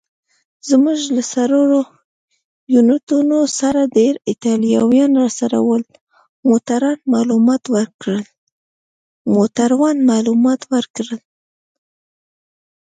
زموږ له څلورو یونیټونو سره ډېر ایټالویان راسره ول. موټروان معلومات ورکړل.